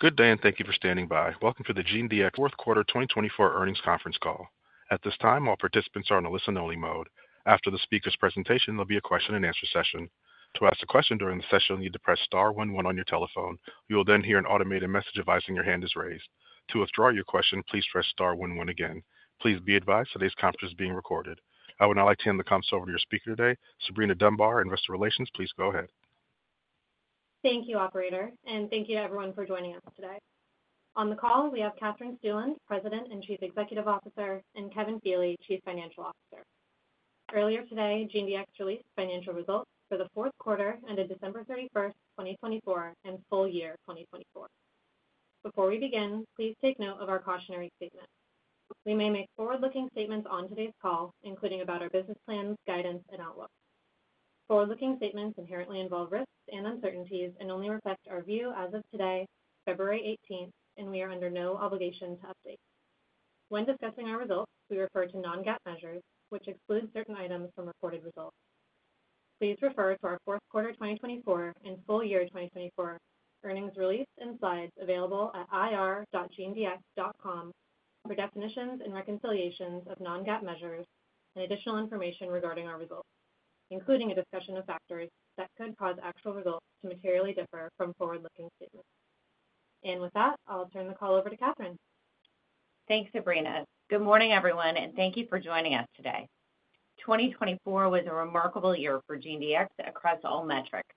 Good day, and thank you for standing by. Welcome to the GeneDx fourth quarter 2024 earnings conference call. At this time, all participants are on a listen-only mode. After the speaker's presentation, there'll be a question-and-answer session. To ask a question during the session, you need to press star 11 on your telephone. You will then hear an automated message advising your hand is raised. To withdraw your question, please press star 11 again. Please be advised today's conference is being recorded. I would now like to hand the conference over to your speaker today, Sabrina Dunbar. Investor relations, please go ahead. Thank you, Operator, and thank you to everyone for joining us today. On the call, we have Katherine Stueland, President and Chief Executive Officer, and Kevin Feeley, Chief Financial Officer. Earlier today, GeneDx released financial results for the fourth quarter ended December 31, 2024, and full year 2024. Before we begin, please take note of our cautionary statement. We may make forward-looking statements on today's call, including about our business plans, guidance, and outlook. Forward-looking statements inherently involve risks and uncertainties and only reflect our view as of today, February 18, and we are under no obligation to update. When discussing our results, we refer to non-GAAP measures, which exclude certain items from reported results. Please refer to our fourth quarter 2024 and full year 2024 earnings release and slides available at ir.genedx.com for definitions and reconciliations of non-GAAP measures and additional information regarding our results, including a discussion of factors that could cause actual results to materially differ from forward-looking statements, and with that, I'll turn the call over to Katherine. Thanks, Sabrina. Good morning, everyone, and thank you for joining us today. 2024 was a remarkable year for GeneDx across all metrics.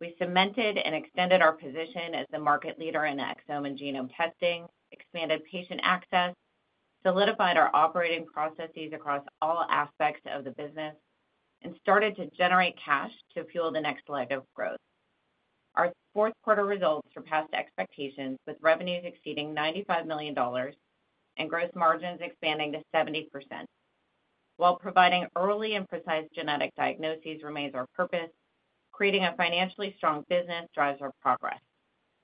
We cemented and extended our position as the market leader in exome and genome testing, expanded patient access, solidified our operating processes across all aspects of the business, and started to generate cash to fuel the next leg of growth. Our fourth quarter results surpassed expectations, with revenues exceeding $95 million and gross margins expanding to 70%. While providing early and precise genetic diagnoses remains our purpose, creating a financially strong business drives our progress.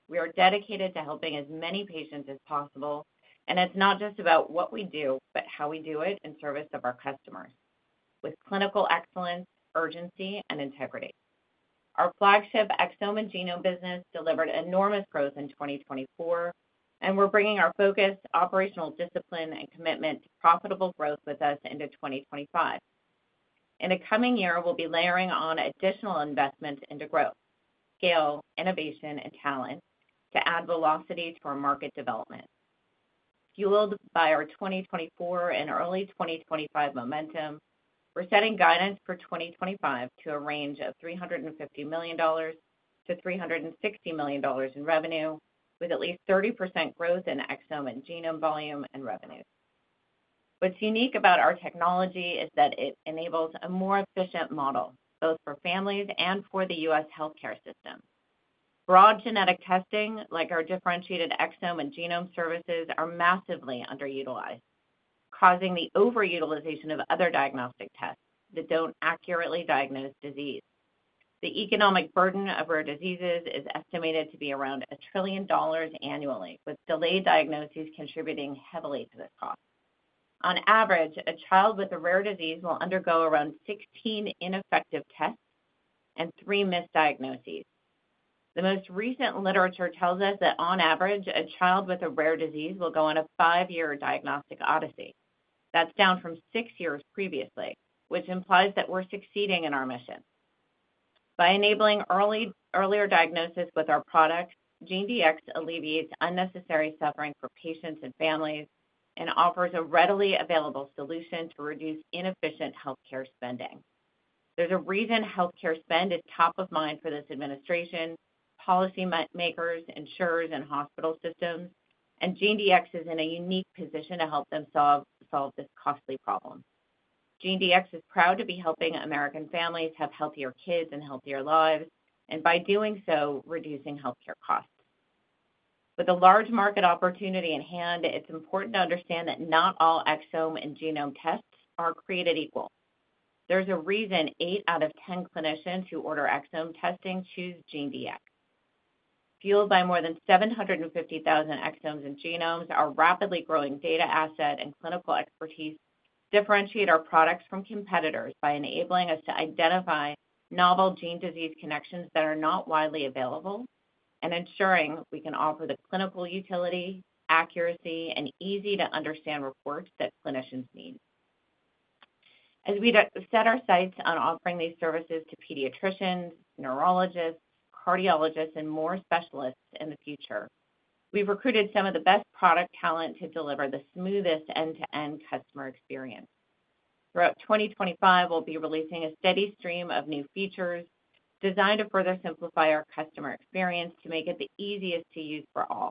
We are dedicated to helping as many patients as possible, and it's not just about what we do, but how we do it in service of our customers, with clinical excellence, urgency, and integrity. Our flagship exome and genome business delivered enormous growth in 2024, and we're bringing our focus, operational discipline, and commitment to profitable growth with us into 2025. In the coming year, we'll be layering on additional investment into growth, scale, innovation, and talent to add velocity to our market development. Fueled by our 2024 and early 2025 momentum, we're setting guidance for 2025 to a range of $350 million-$360 million in revenue, with at least 30% growth in exome and genome volume and revenue. What's unique about our technology is that it enables a more efficient model, both for families and for the U.S. healthcare system. Broad genetic testing, like our differentiated exome and genome services, are massively underutilized, causing the overutilization of other diagnostic tests that don't accurately diagnose disease. The economic burden of rare diseases is estimated to be around $1 trillion annually, with delayed diagnoses contributing heavily to this cost. On average, a child with a rare disease will undergo around 16 ineffective tests and three misdiagnoses. The most recent literature tells us that, on average, a child with a rare disease will go on a five-year diagnostic odyssey. That's down from six years previously, which implies that we're succeeding in our mission. By enabling earlier diagnosis with our product, GeneDx alleviates unnecessary suffering for patients and families and offers a readily available solution to reduce inefficient healthcare spending. There's a reason healthcare spend is top of mind for this administration: policymakers, insurers, and hospital systems, and GeneDx is in a unique position to help them solve this costly problem. GeneDx is proud to be helping American families have healthier kids and healthier lives, and by doing so, reducing healthcare costs. With a large market opportunity in hand, it's important to understand that not all exome and genome tests are created equal. There's a reason eight out of 10 clinicians who order exome testing choose GeneDx. Fueled by more than 750,000 exomes and genomes, our rapidly growing data asset and clinical expertise differentiate our products from competitors by enabling us to identify novel gene-disease connections that are not widely available and ensuring we can offer the clinical utility, accuracy, and easy-to-understand reports that clinicians need. As we set our sights on offering these services to pediatricians, neurologists, cardiologists, and more specialists in the future, we've recruited some of the best product talent to deliver the smoothest end-to-end customer experience. Throughout 2025, we'll be releasing a steady stream of new features designed to further simplify our customer experience to make it the easiest to use for all.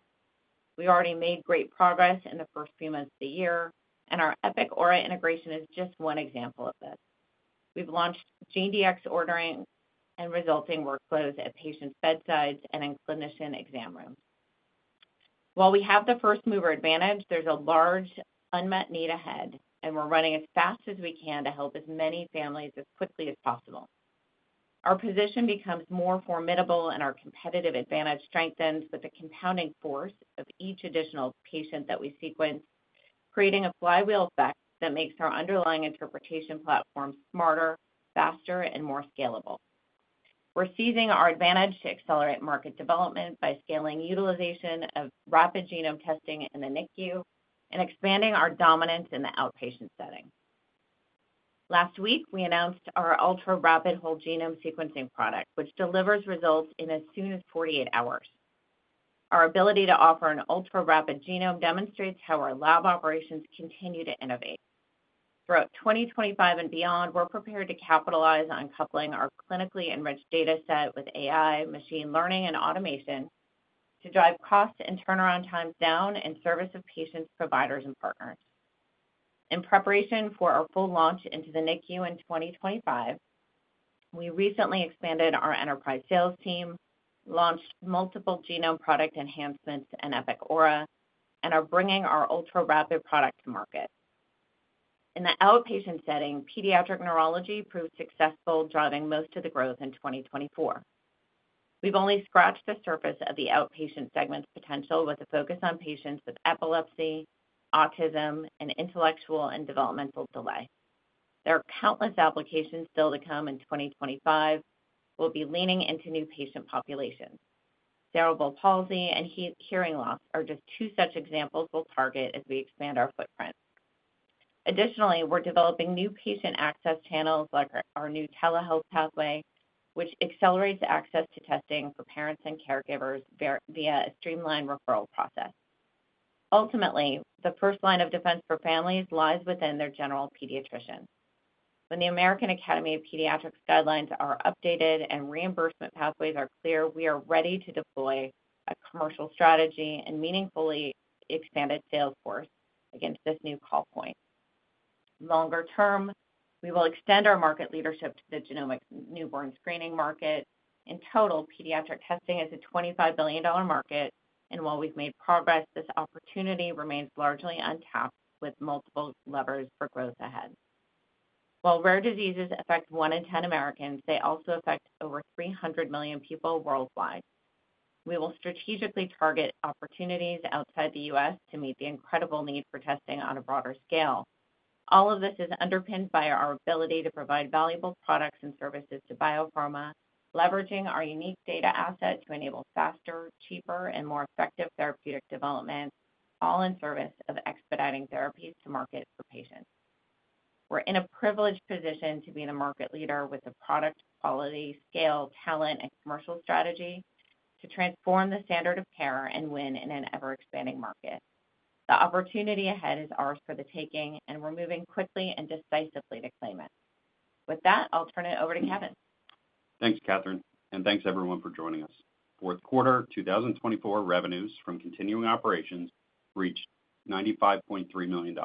We already made great progress in the first few months of the year, and our Epic Aura integration is just one example of this. We've launched GeneDx ordering and resulting workflows at patients' bedsides and in clinician exam rooms. While we have the first-mover advantage, there's a large unmet need ahead, and we're running as fast as we can to help as many families as quickly as possible. Our position becomes more formidable, and our competitive advantage strengthens with the compounding force of each additional patient that we sequence, creating a flywheel effect that makes our underlying interpretation platform smarter, faster, and more scalable. We're seizing our advantage to accelerate market development by scaling utilization of rapid genome testing in the NICU and expanding our dominance in the outpatient setting. Last week, we announced our ultraRapid Whole Genome Sequencing product, which delivers results in as soon as 48 hours. Our ability to offer an ultraRapid Genome demonstrates how our lab operations continue to innovate. Throughout 2025 and beyond, we're prepared to capitalize on coupling our clinically enriched data set with AI, machine learning, and automation to drive cost and turnaround times down in service of patients, providers, and partners. In preparation for our full launch into the NICU in 2025, we recently expanded our enterprise sales team, launched multiple genome product enhancements in Epic Aura, and are bringing our ultraRapid product to market. In the outpatient setting, pediatric neurology proved successful, driving most of the growth in 2024. We've only scratched the surface of the outpatient segment's potential with a focus on patients with epilepsy, autism, and intellectual and developmental delay. There are countless applications still to come in 2025. We'll be leaning into new patient populations. Cerebral palsy and hearing loss are just two such examples we'll target as we expand our footprint. Additionally, we're developing new patient access channels like our new telehealth pathway, which accelerates access to testing for parents and caregivers via a streamlined referral process. Ultimately, the first line of defense for families lies within their general pediatrician. When the American Academy of Pediatrics guidelines are updated and reimbursement pathways are clear, we are ready to deploy a commercial strategy and meaningfully expanded sales force against this new call point. Longer term, we will extend our market leadership to the genomic newborn screening market. In total, pediatric testing is a $25 billion market, and while we've made progress, this opportunity remains largely untapped with multiple levers for growth ahead. While rare diseases affect one in ten Americans, they also affect over 300 million people worldwide. We will strategically target opportunities outside the U.S. to meet the incredible need for testing on a broader scale. All of this is underpinned by our ability to provide valuable products and services to biopharma, leveraging our unique data asset to enable faster, cheaper, and more effective therapeutic development, all in service of expediting therapies to market for patients. We're in a privileged position to be the market leader with a product quality, scale, talent, and commercial strategy to transform the standard of care and win in an ever-expanding market. The opportunity ahead is ours for the taking, and we're moving quickly and decisively to claim it. With that, I'll turn it over to Kevin. Thanks, Katherine, and thanks everyone for joining us. Fourth quarter 2024 revenues from continuing operations reached $95.3 million.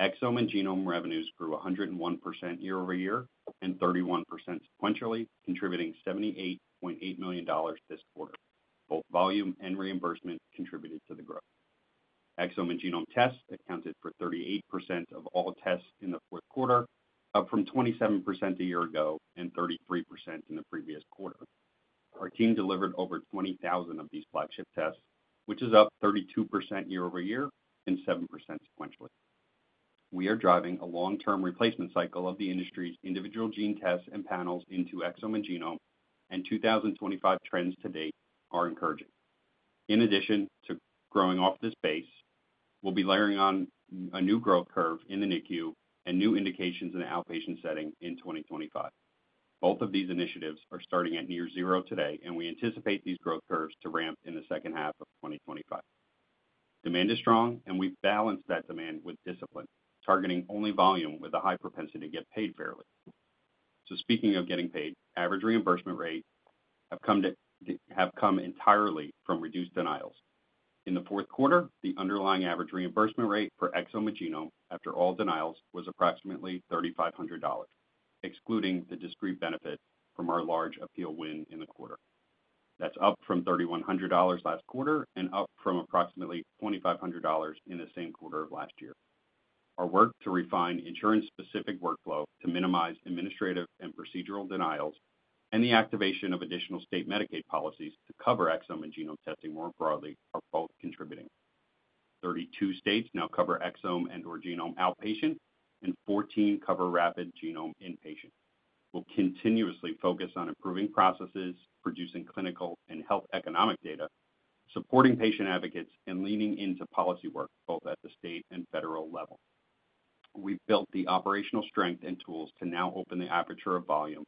Exome and genome revenues grew 101% year over year and 31% sequentially, contributing $78.8 million this quarter. Both volume and reimbursement contributed to the growth. Exome and genome tests accounted for 38% of all tests in the fourth quarter, up from 27% a year ago and 33% in the previous quarter. Our team delivered over 20,000 of these flagship tests, which is up 32% year over year and 7% sequentially. We are driving a long-term replacement cycle of the industry's individual gene tests and panels into exome and genome, and 2025 trends to date are encouraging. In addition to growing off this base, we'll be layering on a new growth curve in the NICU and new indications in the outpatient setting in 2025. Both of these initiatives are starting at near zero today, and we anticipate these growth curves to ramp in the second half of 2025. Demand is strong, and we've balanced that demand with discipline, targeting only volume with a high propensity to get paid fairly. So speaking of getting paid, average reimbursement rates have come entirely from reduced denials. In the fourth quarter, the underlying average reimbursement rate for exome and genome after all denials was approximately $3,500, excluding the discrete benefit from our large appeal win in the quarter. That's up from $3,100 last quarter and up from approximately $2,500 in the same quarter of last year. Our work to refine insurance-specific workflow to minimize administrative and procedural denials and the activation of additional state Medicaid policies to cover exome and genome testing more broadly are both contributing. 32 states now cover exome and/or genome outpatient, and 14 cover rapid genome inpatient. We'll continuously focus on improving processes, producing clinical and health economic data, supporting patient advocates, and leaning into policy work both at the state and federal level. We've built the operational strength and tools to now open the aperture of volume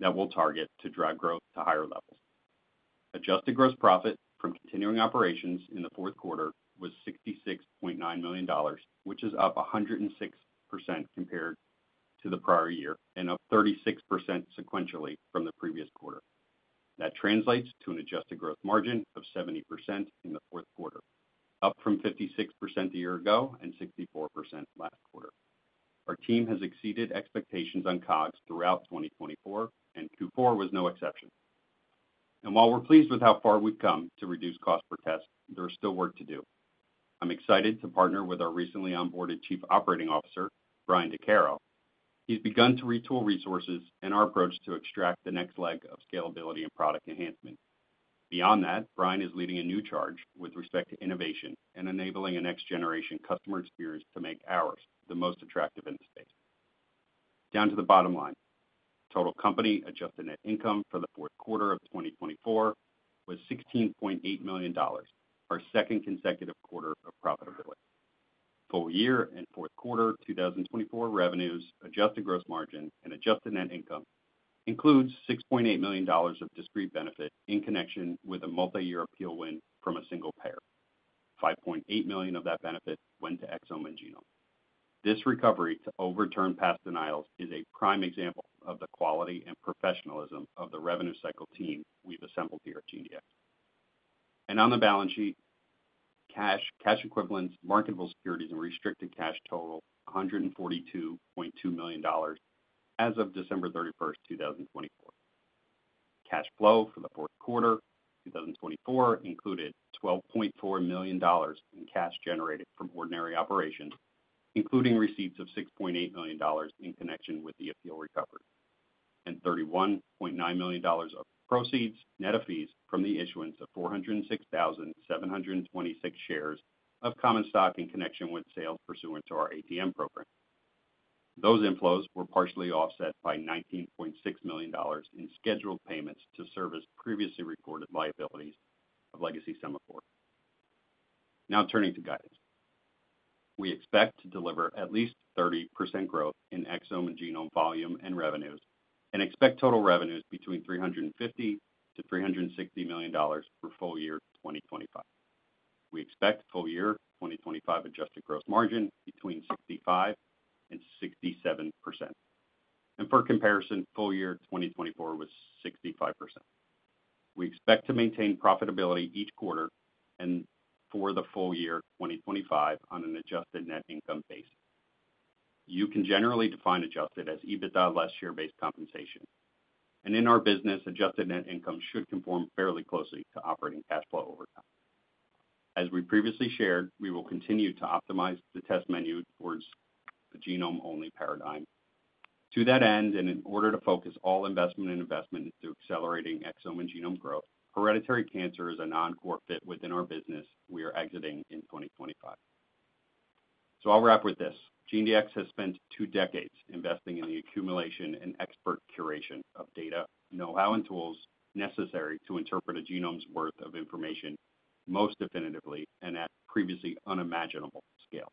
that we'll target to drive growth to higher levels. Adjusted gross profit from continuing operations in the fourth quarter was $66.9 million, which is up 106% compared to the prior year and up 36% sequentially from the previous quarter. That translates to an adjusted gross margin of 70% in the fourth quarter, up from 56% a year ago and 64% last quarter. Our team has exceeded expectations on COGS throughout 2024, and Q4 was no exception. While we're pleased with how far we've come to reduce costs for tests, there is still work to do. I'm excited to partner with our recently onboarded Chief Operating Officer, Bryan Dechairo. He's begun to retool resources and our approach to extract the next leg of scalability and product enhancement. Beyond that, Bryan is leading a new charge with respect to innovation and enabling a next-generation customer experience to make ours the most attractive in the space. Down to the bottom line, total company Adjusted Net Income for the fourth quarter of 2024 was $16.8 million, our second consecutive quarter of profitability. Full year and fourth quarter 2024 revenues, Adjusted Gross Margin, and Adjusted Net Income include $6.8 million of discrete benefit in connection with a multi-year appeal win from a single payer. $5.8 million of that benefit went to exome and genome. This recovery to overturn past denials is a prime example of the quality and professionalism of the revenue cycle team we've assembled here at GeneDx. And on the balance sheet, cash, cash equivalents, marketable securities, and restricted cash total $142.2 million as of December 31, 2024. Cash flow for the fourth quarter 2024 included $12.4 million in cash generated from ordinary operations, including receipts of $6.8 million in connection with the appeal recovery, and $31.9 million of proceeds net of fees from the issuance of 406,726 shares of common stock in connection with sales pursuant to our ATM program. Those inflows were partially offset by $19.6 million in scheduled payments to service previously recorded liabilities of Legacy Sema4. Now turning to guidance. We expect to deliver at least 30% growth in exome and genome volume and revenues and expect total revenues between $350 million-$360 million for full year 2025. We expect full year 2025 adjusted gross margin between 65% and 67%. For comparison, full year 2024 was 65%. We expect to maintain profitability each quarter and for the full year 2025 on an adjusted net income basis. You can generally define adjusted as EBITDA less stock-based compensation. In our business, adjusted net income should conform fairly closely to operating cash flow over time. As we previously shared, we will continue to optimize the test menu towards the genome-only paradigm. To that end, and in order to focus all investment into accelerating exome and genome growth, hereditary cancer is a non-core fit within our business we are exiting in 2025. I'll wrap with this. GeneDx has spent two decades investing in the accumulation and expert curation of data, know-how, and tools necessary to interpret a genome's worth of information most definitively and at previously unimaginable scale.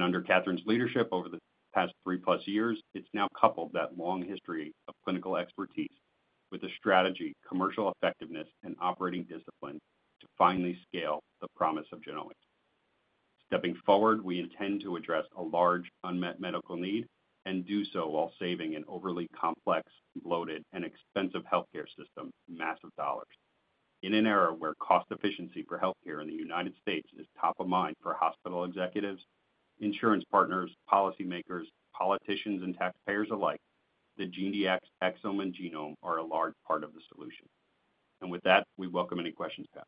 Under Katherine's leadership over the past 3+ years, it's now coupled that long history of clinical expertise with the strategy, commercial effectiveness, and operating discipline to finally scale the promise of genomics. Stepping forward, we intend to address a large unmet medical need and do so while saving an overly complex, bloated, and expensive healthcare system massive dollars. In an era where cost efficiency for healthcare in the United States is top of mind for hospital executives, insurance partners, policymakers, politicians, and taxpayers alike, the GeneDx exome and genome are a large part of the solution. With that, we welcome any questions, Kevin.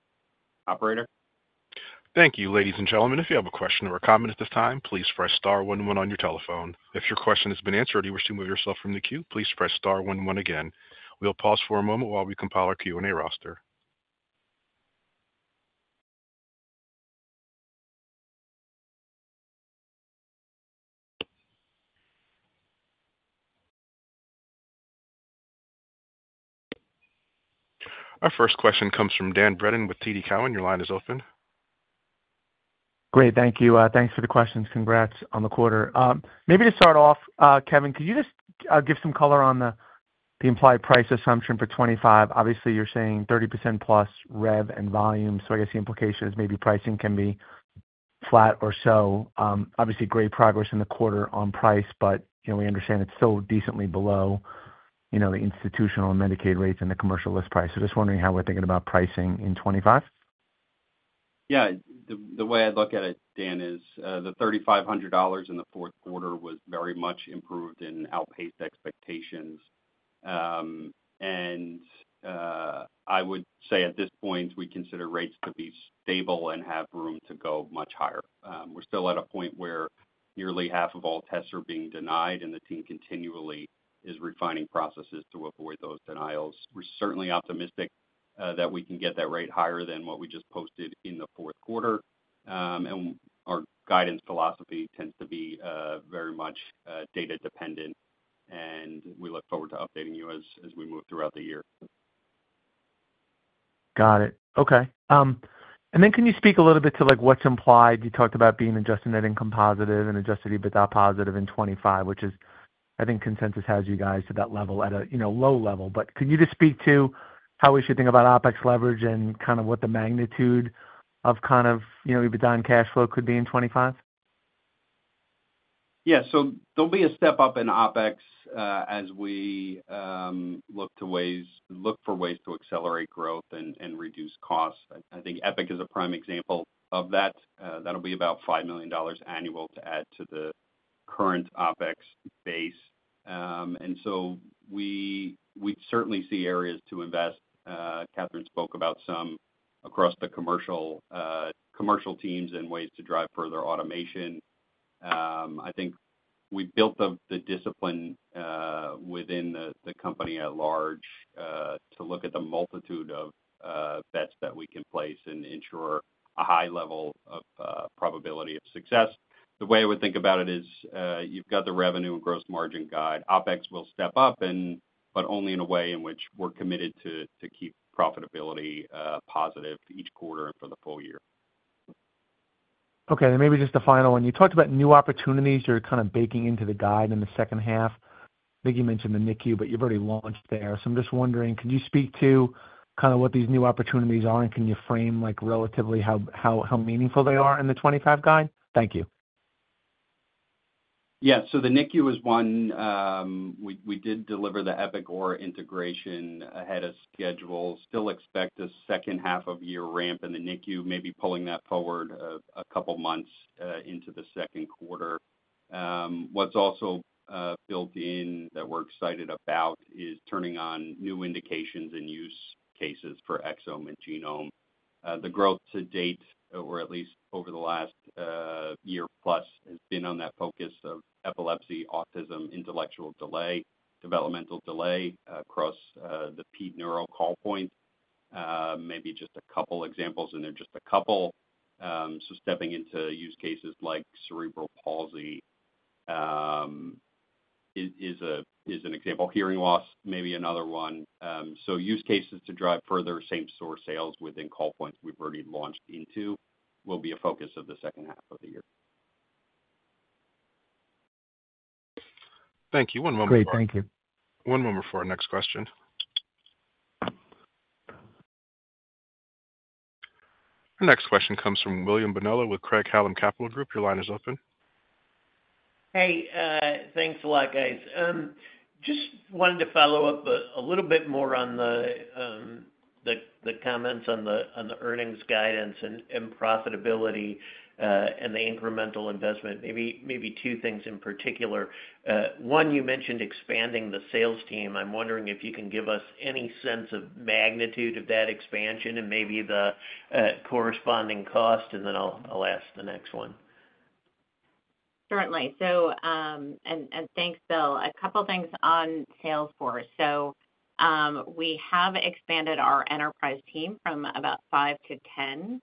Operator. Thank you, ladies and gentlemen. If you have a question or a comment at this time, please press star 11 on your telephone. If your question has been answered or you wish to move yourself from the queue, please press star 11 again. We'll pause for a moment while we compile our Q&A roster. Our first question comes from Dan Brennan with TD Cowen. Your line is open. Great. Thank you. Thanks for the questions. Congrats on the quarter. Maybe to start off, Kevin, could you just give some color on the implied price assumption for 2025? Obviously, you're saying 30%+ rev and volume. So I guess the implication is maybe pricing can be flat or so. Obviously, great progress in the quarter on price, but we understand it's still decently below the institutional and Medicaid rates and the commercial list price. So just wondering how we're thinking about pricing in 2025. Yeah. The way I look at it, Dan, is the $3,500 in the fourth quarter was very much improved and outpaced expectations. And I would say at this point, we consider rates to be stable and have room to go much higher. We're still at a point where nearly half of all tests are being denied, and the team continually is refining processes to avoid those denials. We're certainly optimistic that we can get that rate higher than what we just posted in the fourth quarter. And our guidance philosophy tends to be very much data-dependent, and we look forward to updating you as we move throughout the year. Got it. Okay. And then can you speak a little bit to what's implied? You talked about being adjusted net income positive and adjusted EBITDA positive in 2025, which is, I think, consensus has you guys to that level at a low level. But could you just speak to how we should think about OpEx leverage and kind of what the magnitude of kind of EBITDA and cash flow could be in 2025? Yeah. So there'll be a step up in OpEx as we look for ways to accelerate growth and reduce costs. I think Epic is a prime example of that. That'll be about $5 million annual to add to the current OpEx base. And so we certainly see areas to invest. Katherine spoke about some across the commercial teams and ways to drive further automation. I think we've built the discipline within the company at large to look at the multitude of bets that we can place and ensure a high level of probability of success. The way I would think about it is you've got the revenue and gross margin guide. OpEx will step up, but only in a way in which we're committed to keep profitability positive each quarter and for the full year. Okay. And maybe just a final one. You talked about new opportunities. You're kind of baking into the guide in the second half. I think you mentioned the NICU, but you've already launched there. So I'm just wondering, could you speak to kind of what these new opportunities are, and can you frame relatively how meaningful they are in the 2025 guide? Thank you. Yeah. So the NICU is one. We did deliver the Epic Aura integration ahead of schedule. Still expect a second half of the year ramp in the NICU, maybe pulling that forward a couple of months into the second quarter. What's also built in that we're excited about is turning on new indications and use cases for exome and genome. The growth to date, or at least over the last year plus, has been on that focus of epilepsy, autism, intellectual delay, developmental delay across the pediatric neurology call points. Maybe just a couple examples, and they're just a couple. So stepping into use cases like cerebral palsy is an example. Hearing loss, maybe another one. So use cases to drive further same-store sales within call points we've already launched into will be a focus of the second half of the year. Thank you. One moment for. Great. Thank you. One moment for our next question. Our next question comes from William Bonello with Craig-Hallum Capital Group. Your line is open. Hey. Thanks a lot, guys. Just wanted to follow up a little bit more on the comments on the earnings guidance and profitability and the incremental investment. Maybe two things in particular. One, you mentioned expanding the sales team. I'm wondering if you can give us any sense of magnitude of that expansion and maybe the corresponding cost, and then I'll ask the next one. Certainly, and thanks, Bill. A couple of things on sales force, so we have expanded our enterprise team from about five to 10,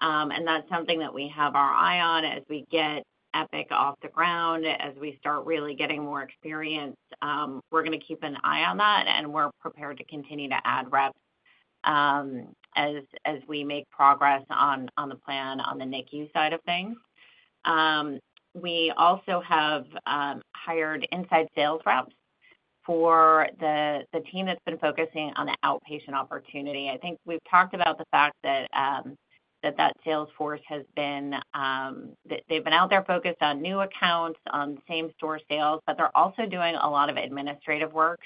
and that's something that we have our eye on as we get Epic off the ground, as we start really getting more experience. We're going to keep an eye on that, and we're prepared to continue to add reps as we make progress on the plan on the NICU side of things. We also have hired inside sales reps for the team that's been focusing on the outpatient opportunity. I think we've talked about the fact that sales force has been. They've been out there focused on new accounts, on same-store sales, but they're also doing a lot of administrative work.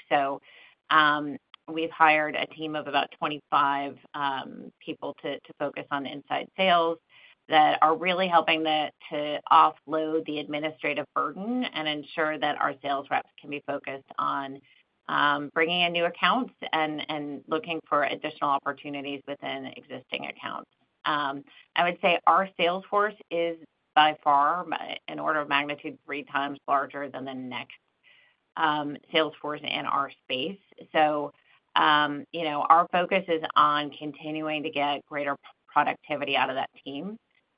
We've hired a team of about 25 people to focus on inside sales that are really helping to offload the administrative burden and ensure that our sales reps can be focused on bringing in new accounts and looking for additional opportunities within existing accounts. I would say our sales force is by far, in order of magnitude, three times larger than the next sales force in our space. Our focus is on continuing to get greater productivity out of that team.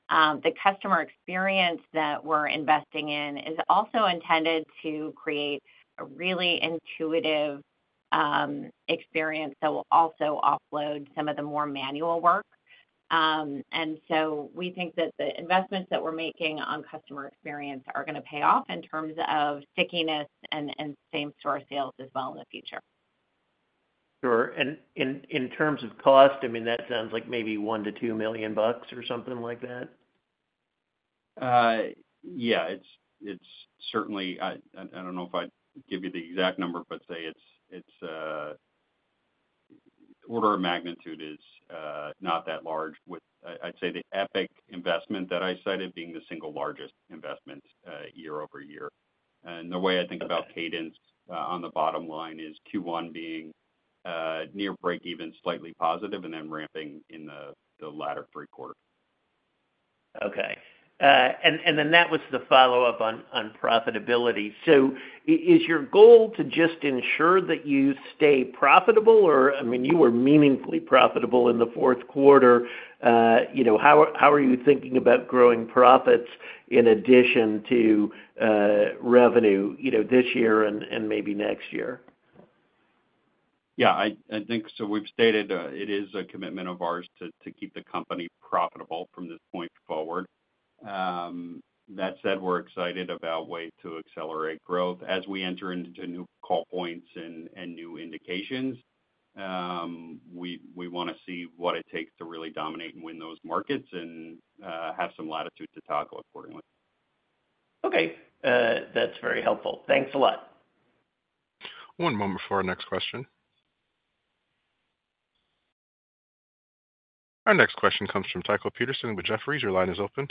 The customer experience that we're investing in is also intended to create a really intuitive experience that will also offload some of the more manual work. We think that the investments that we're making on customer experience are going to pay off in terms of stickiness and same-store sales as well in the future. Sure. And in terms of cost, I mean, that sounds like maybe $1 million-$2 million or something like that? Yeah. It's certainly. I don't know if I'd give you the exact number, but say its order of magnitude is not that large with, I'd say, the Epic investment that I cited being the single largest investment year over year. And the way I think about cadence on the bottom line is Q1 being near break-even, slightly positive, and then ramping in the latter three quarters. Okay. And then that was the follow-up on profitability. So is your goal to just ensure that you stay profitable, or I mean, you were meaningfully profitable in the fourth quarter? How are you thinking about growing profits in addition to revenue this year and maybe next year? Yeah. I think so we've stated it is a commitment of ours to keep the company profitable from this point forward. That said, we're excited about ways to accelerate growth as we enter into new call points and new indications. We want to see what it takes to really dominate and win those markets and have some latitude to tackle accordingly. Okay. That's very helpful. Thanks a lot. One moment for our next question. Our next question comes from Tycho Peterson with Jefferies. Your line is open.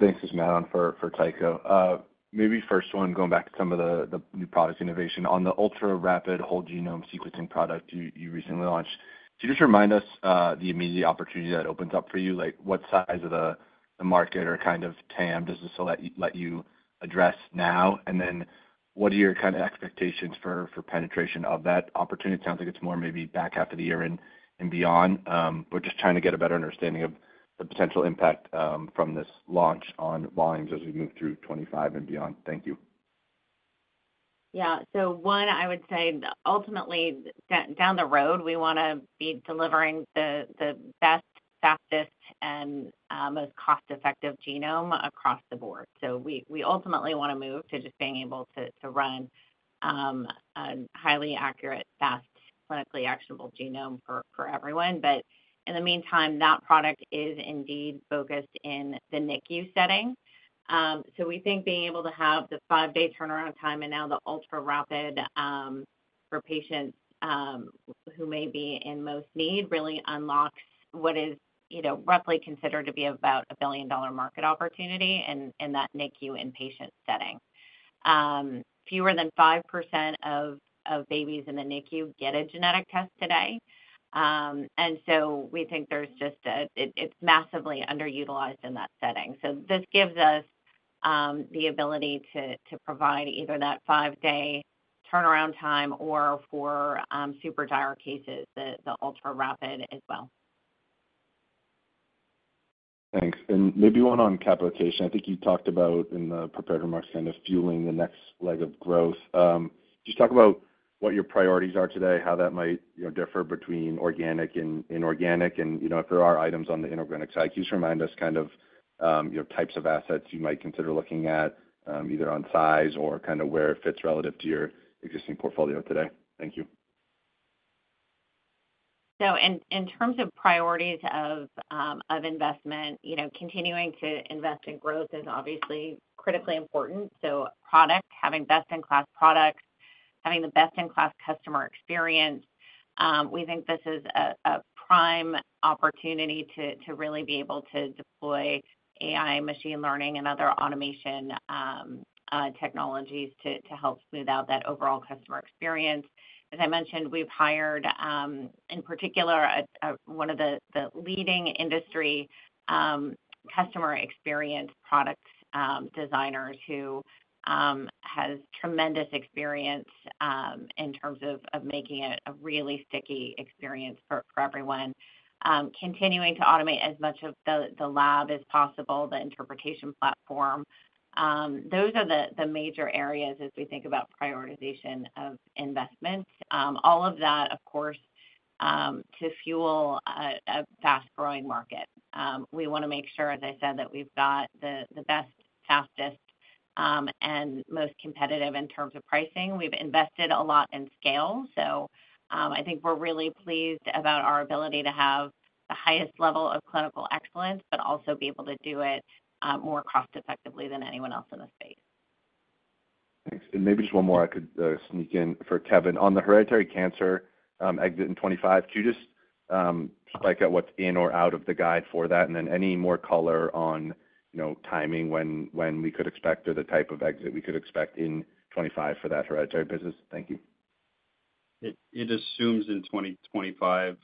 Thanks, this is Matt on, for Tycho. Maybe first one, going back to some of the new product innovation on the ultraRapid Whole Genome Sequencing product you recently launched, could you just remind us the immediate opportunity that opens up for you? What size of the market or kind of TAM does this let you address now? And then what are your kind of expectations for penetration of that opportunity? It sounds like it's more maybe back after the year and beyond. We're just trying to get a better understanding of the potential impact from this launch on volumes as we move through 2025 and beyond. Thank you. Yeah. So one, I would say ultimately, down the road, we want to be delivering the best, fastest, and most cost-effective genome across the board. So we ultimately want to move to just being able to run a highly accurate, fast, clinically actionable genome for everyone. But in the meantime, that product is indeed focused in the NICU setting. So we think being able to have the five-day turnaround time and now the ultraRapid for patients who may be in most need really unlocks what is roughly considered to be about a $1 billion market opportunity in that NICU inpatient setting. Fewer than 5% of babies in the NICU get a genetic test today. And so we think there's just it's massively underutilized in that setting. So this gives us the ability to provide either that five-day turnaround time or, for super dire cases, the ultraRapid as well. Thanks. And maybe one on capitalization. I think you talked about in the prepared remarks kind of fueling the next leg of growth. Just talk about what your priorities are today, how that might differ between organic and inorganic, and if there are items on the inorganic side. Could you just remind us kind of types of assets you might consider looking at, either on size or kind of where it fits relative to your existing portfolio today? Thank you. In terms of priorities of investment, continuing to invest in growth is obviously critically important. Product, having best-in-class products, having the best-in-class customer experience. We think this is a prime opportunity to really be able to deploy AI, machine learning, and other automation technologies to help smooth out that overall customer experience. As I mentioned, we've hired, in particular, one of the leading industry customer experience product designers who has tremendous experience in terms of making it a really sticky experience for everyone. Continuing to automate as much of the lab as possible, the interpretation platform. Those are the major areas as we think about prioritization of investment. All of that, of course, to fuel a fast-growing market. We want to make sure, as I said, that we've got the best, fastest, and most competitive in terms of pricing. We've invested a lot in scale. So I think we're really pleased about our ability to have the highest level of clinical excellence, but also be able to do it more cost-effectively than anyone else in the space. Thanks. And maybe just one more I could sneak in for Kevin. On the hereditary cancer exit in 2025, could you just break out what's in or out of the guide for that? And then any more color on timing when we could expect or the type of exit we could expect in 2025 for that hereditary business? Thank you. It assumes in 2025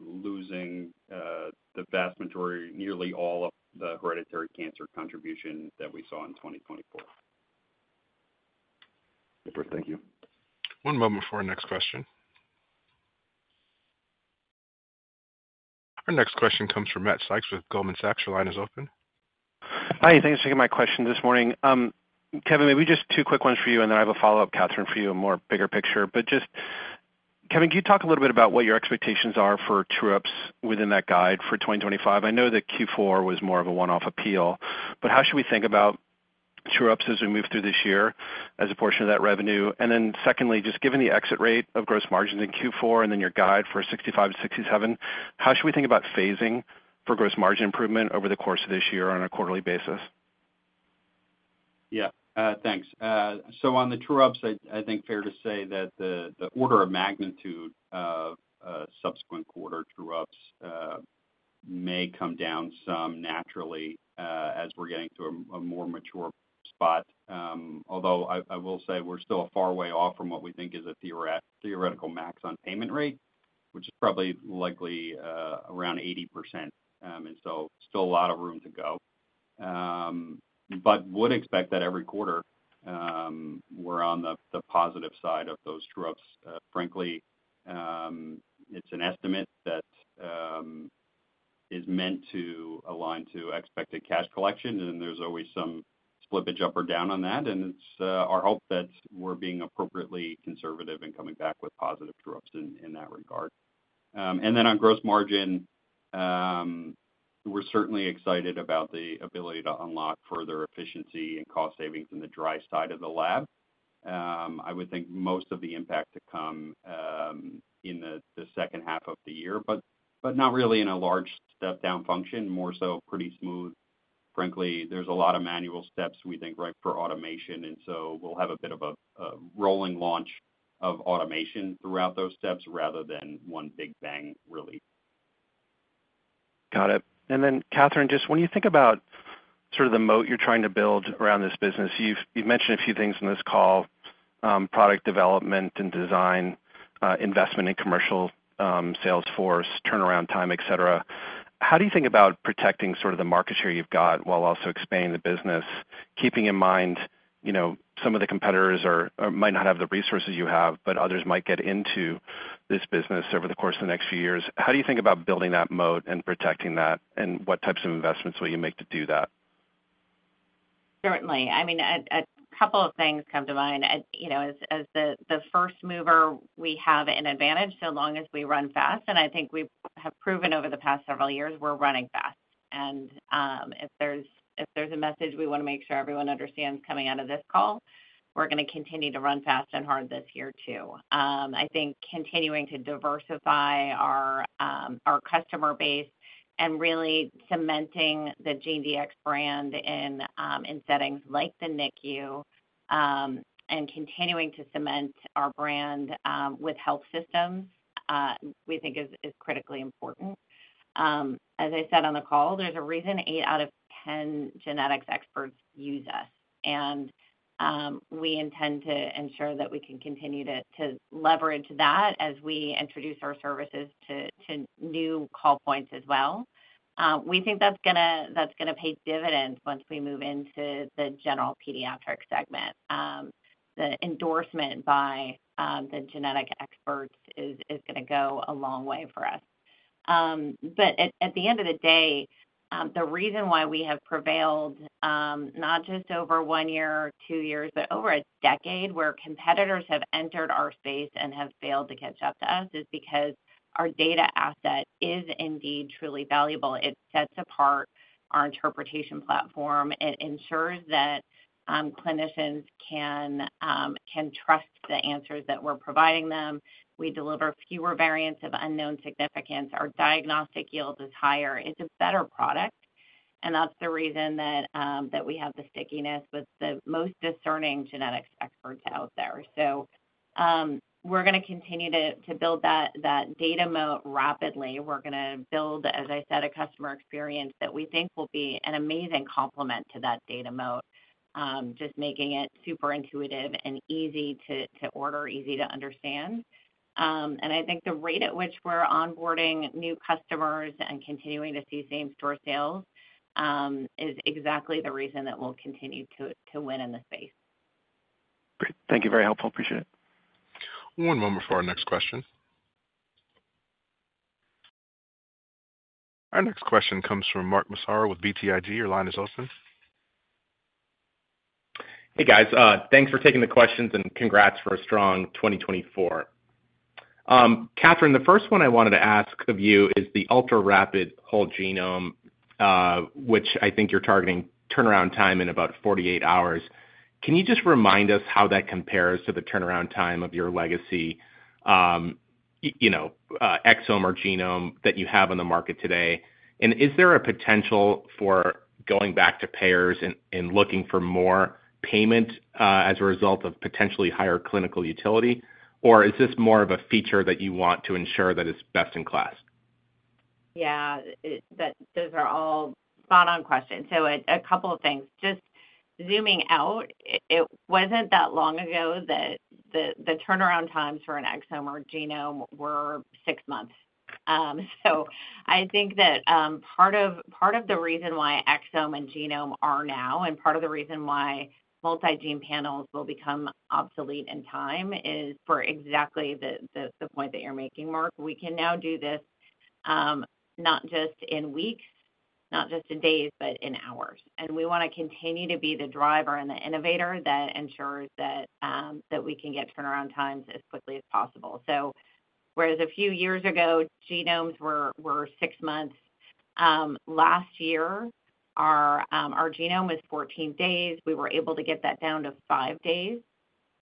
losing the vast majority, nearly all of the hereditary cancer contribution that we saw in 2024. Super. Thank you. One moment for our next question. Our next question comes from Matt Sykes with Goldman Sachs. Your line is open. Hi. Thanks for taking my question this morning. Kevin, maybe just two quick ones for you, and then I have a follow-up, Katherine, for you, a more bigger picture. But just, Kevin, could you talk a little bit about what your expectations are for true-ups within that guide for 2025? I know that Q4 was more of a one-off appeal, but how should we think about true-ups as we move through this year as a portion of that revenue? And then secondly, just given the exit rate of gross margins in Q4 and then your guide for 65%-67%, how should we think about phasing for gross margin improvement over the course of this year on a quarterly basis? Yeah. Thanks. So on the true-ups, I think it's fair to say that the order of magnitude of subsequent quarter true-ups may come down some naturally as we're getting to a more mature spot. Although I will say we're still a long way off from what we think is a theoretical max on payment rate, which is probably likely around 80%. And so still a lot of room to go. But would expect that every quarter we're on the positive side of those true-ups. Frankly, it's an estimate that is meant to align to expected cash collection, and there's always some slippage up or down on that. And it's our hope that we're being appropriately conservative and coming back with positive true-ups in that regard. And then on gross margin, we're certainly excited about the ability to unlock further efficiency and cost savings in the dry side of the lab. I would think most of the impact to come in the second half of the year, but not really in a large step-down function, more so pretty smooth. Frankly, there's a lot of manual steps we think right for automation, and so we'll have a bit of a rolling launch of automation throughout those steps rather than one big bang release. Got it. And then, Katherine, just when you think about sort of the moat you're trying to build around this business, you've mentioned a few things in this call: product development and design, investment in commercial sales force, turnaround time, etc. How do you think about protecting sort of the market share you've got while also expanding the business, keeping in mind some of the competitors might not have the resources you have, but others might get into this business over the course of the next few years? How do you think about building that moat and protecting that, and what types of investments will you make to do that? Certainly. I mean, a couple of things come to mind. As the first mover, we have an advantage so long as we run fast, and I think we have proven over the past several years we're running fast, and if there's a message we want to make sure everyone understands coming out of this call, we're going to continue to run fast and hard this year too. I think continuing to diversify our customer base and really cementing the GeneDx brand in settings like the NICU and continuing to cement our brand with health systems we think is critically important. As I said on the call, there's a reason eight out of 10 genetics experts use us, and we intend to ensure that we can continue to leverage that as we introduce our services to new call points as well. We think that's going to pay dividends once we move into the general pediatric segment. The endorsement by the genetics experts is going to go a long way for us. But at the end of the day, the reason why we have prevailed not just over one year, two years, but over a decade where competitors have entered our space and have failed to catch up to us is because our data asset is indeed truly valuable. It sets apart our interpretation platform. It ensures that clinicians can trust the answers that we're providing them. We deliver fewer variants of unknown significance. Our diagnostic yield is higher. It's a better product. And that's the reason that we have the stickiness with the most discerning genetics experts out there. So we're going to continue to build that data moat rapidly. We're going to build, as I said, a customer experience that we think will be an amazing complement to that data moat, just making it super intuitive and easy to order, easy to understand, and I think the rate at which we're onboarding new customers and continuing to see same-store sales is exactly the reason that we'll continue to win in this space. Great. Thank you. Very helpful. Appreciate it. One moment for our next question. Our next question comes from Mark Massaro with BTIG. Your line is open. Hey, guys. Thanks for taking the questions, and congrats for a strong 2024. Katherine, the first one I wanted to ask of you is the ultraRapid Whole Genome, which I think you're targeting turnaround time in about 48 hours. Can you just remind us how that compares to the turnaround time of your legacy exome or genome that you have on the market today? And is there a potential for going back to payers and looking for more payment as a result of potentially higher clinical utility? Or is this more of a feature that you want to ensure that it's best in class? Yeah. Those are all spot-on questions. So a couple of things. Just zooming out, it wasn't that long ago that the turnaround times for an exome or genome were six months. So I think that part of the reason why exome and genome are now, and part of the reason why multi-gene panels will become obsolete in time is for exactly the point that you're making, Mark. We can now do this not just in weeks, not just in days, but in hours. And we want to continue to be the driver and the innovator that ensures that we can get turnaround times as quickly as possible. So whereas a few years ago, genomes were six months, last year, our genome was 14 days. We were able to get that down to five days.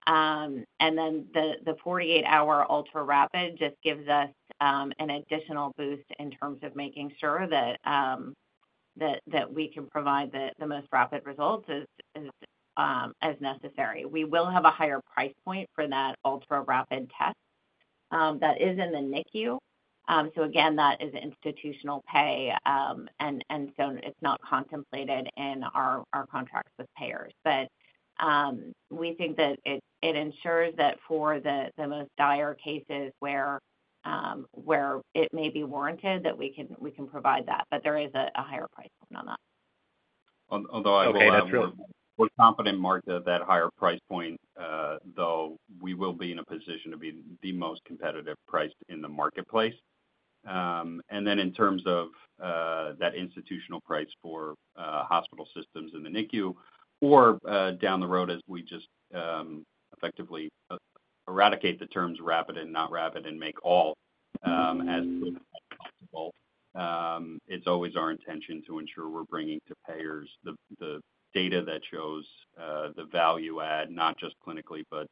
And then the 48-hour ultraRapid just gives us an additional boost in terms of making sure that we can provide the most rapid results as necessary. We will have a higher price point for that ultraRapid test that is in the NICU. So again, that is institutional pay, and so it's not contemplated in our contracts with payers. But we think that it ensures that for the most dire cases where it may be warranted, that we can provide that. But there is a higher price point on that. Although I will add, we're confident, Mark, that that higher price point, though, we will be in a position to be the most competitive price in the marketplace, and then in terms of that institutional price for hospital systems in the NICU, or down the road as we just effectively eradicate the terms rapid and not rapid and make all as possible, it's always our intention to ensure we're bringing to payers the data that shows the value add, not just clinically, but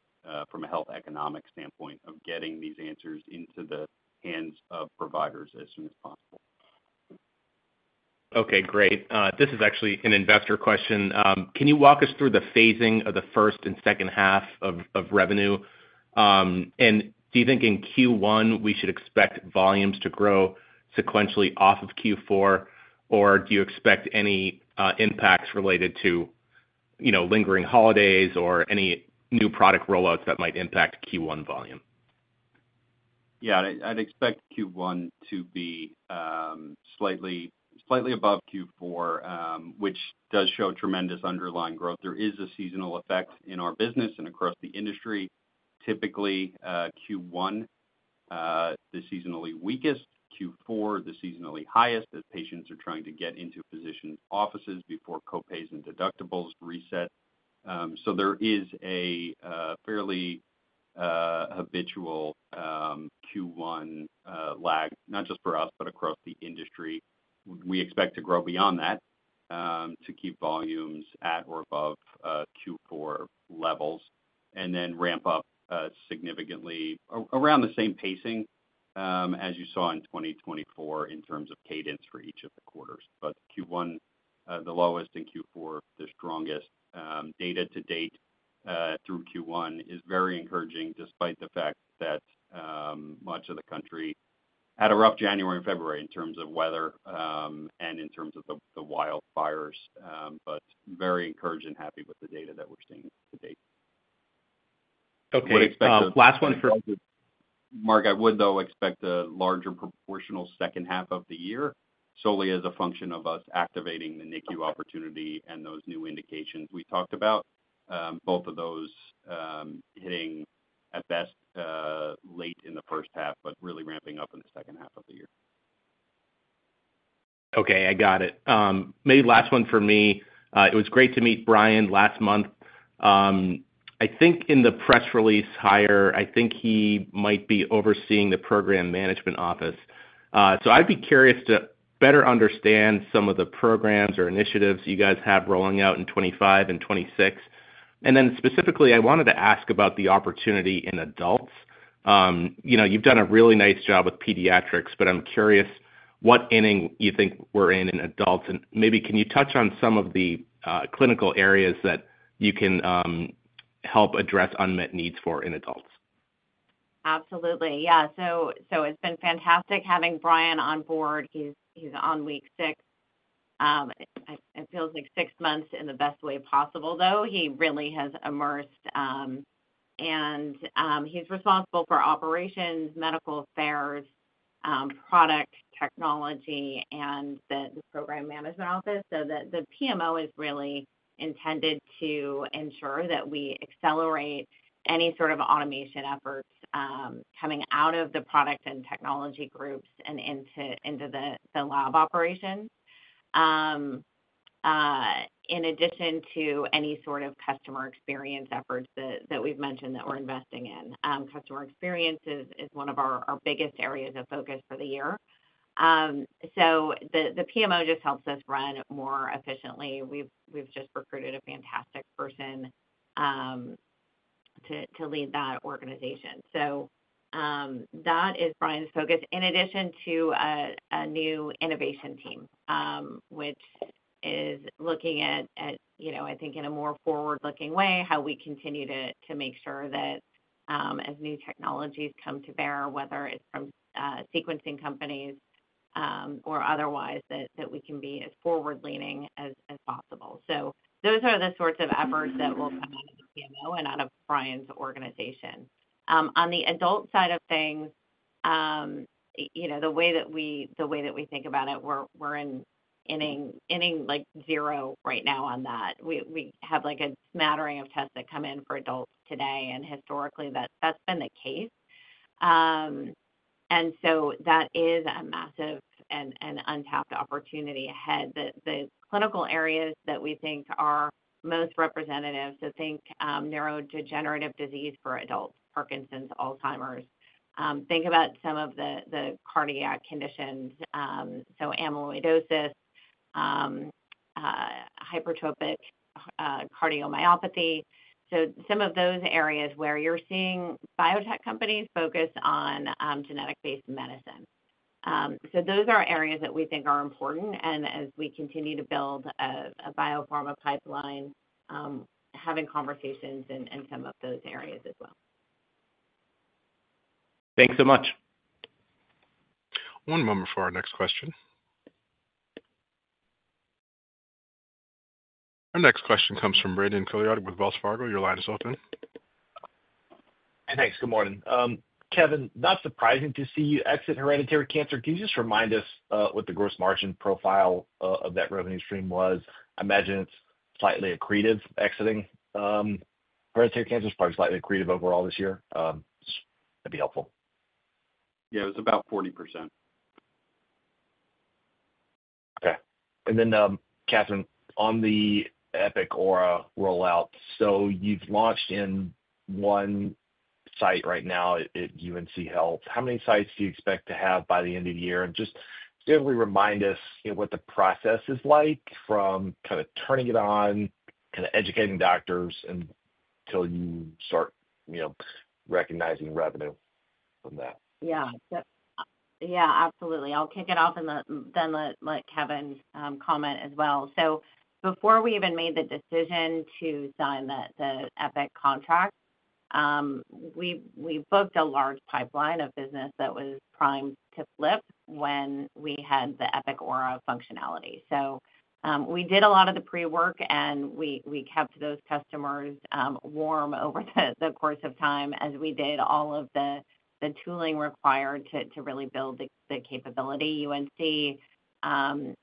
from a health economic standpoint of getting these answers into the hands of providers as soon as possible. Okay. Great. This is actually an investor question. Can you walk us through the phasing of the first and second half of revenue? And do you think in Q1 we should expect volumes to grow sequentially off of Q4, or do you expect any impacts related to lingering holidays or any new product rollouts that might impact Q1 volume? Yeah. I'd expect Q1 to be slightly above Q4, which does show tremendous underlying growth. There is a seasonal effect in our business and across the industry. Typically, Q1, the seasonally weakest. Q4, the seasonally highest, as patients are trying to get into physicians' offices before copays and deductibles reset. So there is a fairly habitual Q1 lag, not just for us, but across the industry. We expect to grow beyond that to keep volumes at or above Q4 levels and then ramp up significantly around the same pacing as you saw in 2024 in terms of cadence for each of the quarters. But Q1, the lowest, and Q4, the strongest. Data to date through Q1 is very encouraging despite the fact that much of the country had a rough January and February in terms of weather and in terms of the wildfires. But very encouraged and happy with the data that we're seeing to date. Okay. Last one for Mark. I would, though, expect a larger proportional second half of the year solely as a function of us activating the NICU opportunity and those new indications we talked about, both of those hitting at best late in the first half, but really ramping up in the second half of the year. Okay. I got it. Maybe last one for me. It was great to meet Bryan last month. I think in the press release, I hear, I think he might be overseeing the program management office. I'd be curious to better understand some of the programs or initiatives you guys have rolling out in 2025 and 2026. And then specifically, I wanted to ask about the opportunity in adults. You've done a really nice job with pediatrics, but I'm curious what inning you think we're in in adults. And maybe can you touch on some of the clinical areas that you can help address unmet needs for in adults? Absolutely. Yeah. So it's been fantastic having Bryan on board. He's on week six. It feels like six months in the best way possible, though. He really has immersed, and he's responsible for operations, medical affairs, product technology, and the program management office, so the PMO is really intended to ensure that we accelerate any sort of automation efforts coming out of the product and technology groups and into the lab operations, in addition to any sort of customer experience efforts that we've mentioned that we're investing in. Customer experience is one of our biggest areas of focus for the year, so the PMO just helps us run more efficiently. We've just recruited a fantastic person to lead that organization. That is Bryan's focus, in addition to a new innovation team, which is looking at, I think, in a more forward-looking way, how we continue to make sure that as new technologies come to bear, whether it's from sequencing companies or otherwise, that we can be as forward-leaning as possible. Those are the sorts of efforts that will come out of the PMO and out of Bryan's organization. On the adult side of things, the way that we think about it, we're ending zero right now on that. We have a smattering of tests that come in for adults today. Historically, that's been the case. That is a massive and untapped opportunity ahead. The clinical areas that we think are most representative, so think neurodegenerative disease for adults, Parkinson's, Alzheimer's. Think about some of the cardiac conditions, so amyloidosis, hypertrophic cardiomyopathy. So some of those areas where you're seeing biotech companies focus on genetic-based medicine. So those are areas that we think are important. And as we continue to build a biopharma pipeline, having conversations in some of those areas as well. Thanks so much. One moment for our next question. Our next question comes from Brandon Couillard with Wells Fargo. Your line is open. Hey, thanks. Good morning. Kevin, not surprising to see you exit hereditary cancer. Can you just remind us what the gross margin profile of that revenue stream was? I imagine it's slightly accretive exiting hereditary cancer, probably slightly accretive overall this year. That'd be helpful. Yeah. It was about 40%. Okay. And then, Katherine, on the Epic Aura rollout, so you've launched in one site right now at UNC Health. How many sites do you expect to have by the end of the year? And just generally remind us what the process is like from kind of turning it on, kind of educating doctors until you start recognizing revenue from that? Yeah. Yeah. Absolutely. I'll kick it off and then let Kevin comment as well. So before we even made the decision to sign the Epic contract, we booked a large pipeline of business that was primed to flip when we had the Epic Aura functionality. So we did a lot of the pre-work, and we kept those customers warm over the course of time as we did all of the tooling required to really build the capability. UNC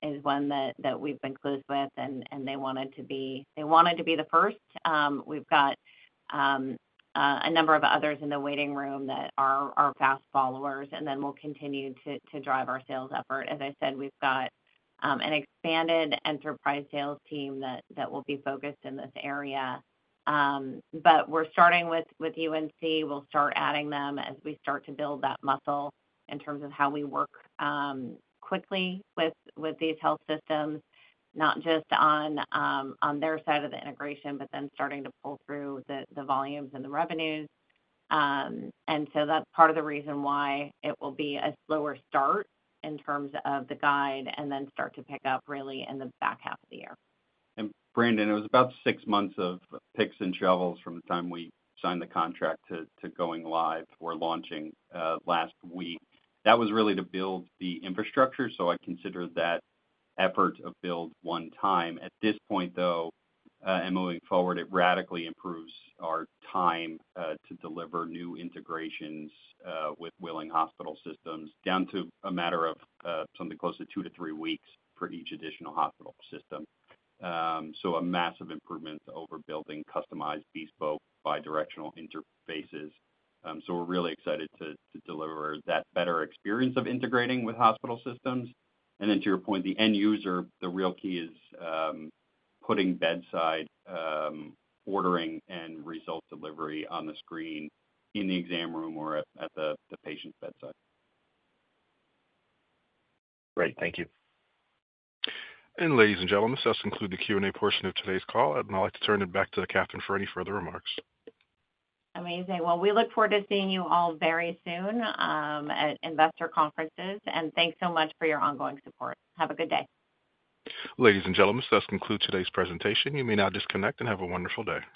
is one that we've been close with, and they wanted to be the first. We've got a number of others in the waiting room that are fast followers, and then we'll continue to drive our sales effort. As I said, we've got an expanded enterprise sales team that will be focused in this area. But we're starting with UNC. We'll start adding them as we start to build that muscle in terms of how we work quickly with these health systems, not just on their side of the integration, but then starting to pull through the volumes and the revenues, and so that's part of the reason why it will be a slower start in terms of the guide and then start to pick up really in the back half of the year. Brandon, it was about six months of picks and shovels from the time we signed the contract to going live. We're launching last week. That was really to build the infrastructure. So I consider that effort a build, one time. At this point, though, and moving forward, it radically improves our time to deliver new integrations with willing hospital systems down to a matter of something close to two-to-three weeks for each additional hospital system. So a massive improvement over building customized bespoke bidirectional interfaces. So we're really excited to deliver that better experience of integrating with hospital systems. And then to your point, the end user, the real key is putting bedside ordering and result delivery on the screen in the exam room or at the patient's bedside. Great. Thank you. Ladies and gentlemen, this does conclude the Q&A portion of today's call. I'd like to turn it back to Katherine for any further remarks. Amazing. Well, we look forward to seeing you all very soon at investor conferences. And thanks so much for your ongoing support. Have a good day. Ladies and gentlemen, this does conclude today's presentation. You may now disconnect and have a wonderful day.